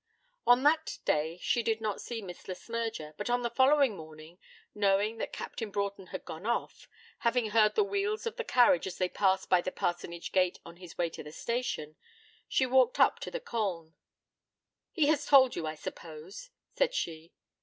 On that day she did not see Miss Le Smyrger, but on the following morning, knowing that Captain Broughton had gone off, having heard the wheels of the carriage as they passed by the parsonage gate on his way to the station, she walked up to the Colne. 'He has told you, I suppose?' said she.